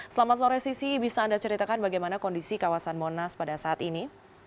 selamat sore sisi bisa anda ceritakan bagaimana kondisi kawasan monas pada saat ini